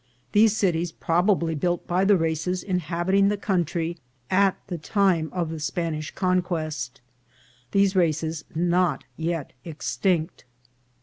— These Cities probably built by the Races inhabiting the Country at the time of the Spanish Conquest. — These Races not yet extinct.